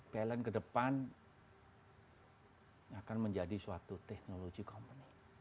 pln ke depan akan menjadi suatu teknologi company